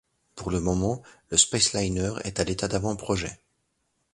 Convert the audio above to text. Pour le moment, le SpaceLiner est à l'état d'avant-projet.